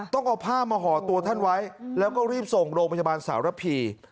ต้องเอาผ้ามาห่อตัวท่านไว้แล้วก็รีบส่งโรงพยาบาลสารพี